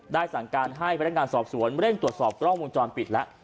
สั่งการให้พนักงานสอบสวนเร่งตรวจสอบกล้องวงจรปิดแล้ว